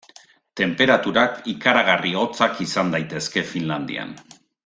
Tenperaturak ikaragarri hotzak izan daitezke Finlandian.